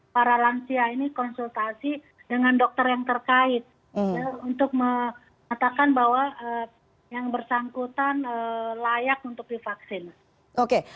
para lansia ini konsultasi dengan dokter yang terkait untuk mengatakan bahwa yang bersangkutan layak untuk divaksin